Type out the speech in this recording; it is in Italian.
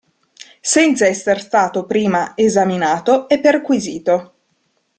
Senza esser stato prima esaminato e perquisito.